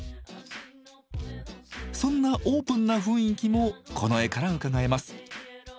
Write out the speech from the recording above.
そんなオープンな雰囲気もこの絵からうかがえます。